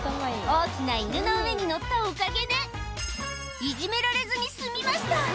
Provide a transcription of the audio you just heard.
大きな犬の上に載ったおかげで、いじめられずに済みました。